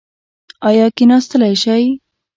ایا کیناستلی شئ؟